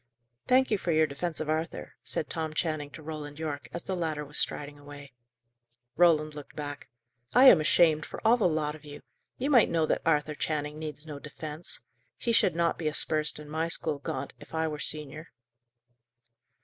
"Thank you for your defence of Arthur," said Tom Channing to Roland Yorke, as the latter was striding away. Roland looked back. "I am ashamed for all the lot of you! You might know that Arthur Channing needs no defence. He should not be aspersed in my school, Gaunt, if I were senior."